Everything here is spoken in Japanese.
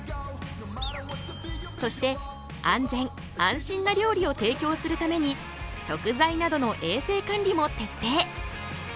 そして安全・安心な料理を提供するために食材などの衛生管理も徹底。